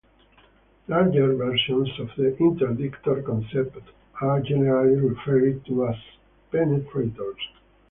Larger versions of the interdictor concept are generally referred to as penetrators.